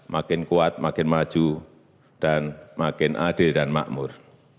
makin kuat makin maju dan makin adil dan makmur